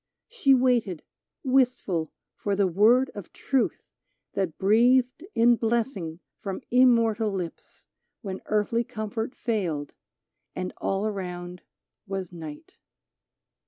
She waited, wistful, for the word of truth That breathed in blessing from immortal lips When earthly comfort failed, and all around was night.